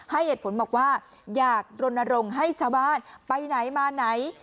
ให้เหตุผลบอกว่าอยากรณรงค์ให้ชาวบ้านไปไหนมาไหน